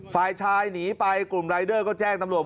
ฝ่ายชายหนีไปกลุ่มรายเดอร์ก็แจ้งตำรวจ